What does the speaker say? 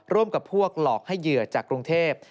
ร่วมกับพวกหลอกให้เหยื่อจากกรุงเทพ